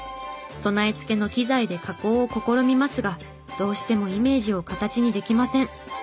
備え付けの機材で加工を試みますがどうしてもイメージを形にできません。